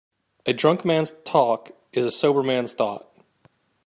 A drunk man's talk is a sober man's thought.